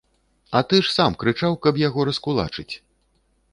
А ты ж сам крычаў, каб яго раскулачыць.